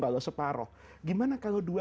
kalau separuh gimana kalau dua